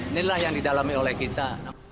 inilah yang didalami oleh kita